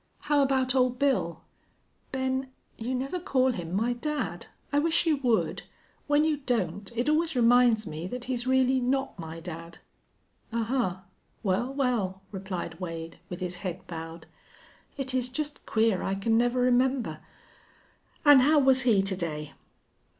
"How about Old Bill?" "Ben, you never call him my dad. I wish you would. When you don't it always reminds me that he's really not my dad." "Ahuh! Well, well!" replied Wade, with his head bowed. "It is just queer I can never remember.... An' how was he to day?"